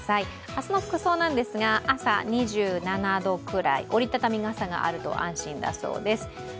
明日の服装なんですが、朝２７度くらい折り畳み傘があると安心だそうです。